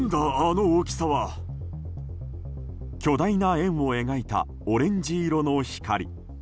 巨大な円を描いたオレンジ色の光。